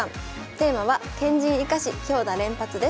テーマは「堅陣生かし強打連発」です。